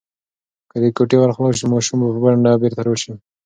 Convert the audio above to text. که د کوټې ور خلاص شي، ماشوم به په منډه بیرته راشي.